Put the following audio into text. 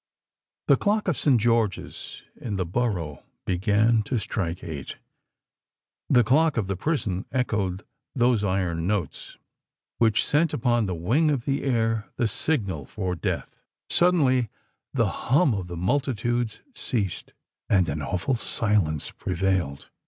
The clock of St. George's in the Borough began to strike eight—the clock of the prison echoed those iron notes, which sent upon the wing of the air the signal for death. Suddenly the hum of the multitudes ceased; and an awful silence prevailed.